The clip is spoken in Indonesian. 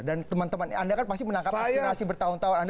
dan teman teman anda kan pasti menangkap aspirasi bertahun tahun